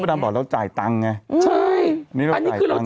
ใช่อันนี้คือเราจ่ายตังค์ใช่อันนี้คือเราจ่ายตังค์